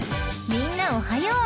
［みんなおはよう。